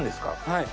はい。